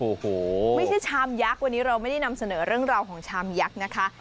โอ้โหไม่ใช่ชามยักษ์วันนี้เราไม่ได้นำเสนอเรื่องราวของชามยักษ์นะคะ